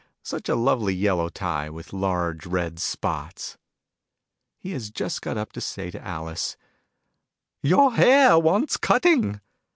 Such a lovely yellow tie, with large red spots. He has just got up to say to Alice "Your hair wants cutting